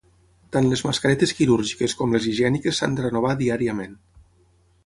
Tant les mascaretes quirúrgiques com les higièniques s'han de renovar diàriament.